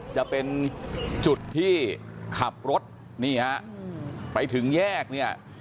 จะเป็นจุดที่ขับรถนี่ฮะไปถึงแยกเนี่ย